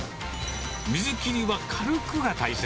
水切りは軽くが大切。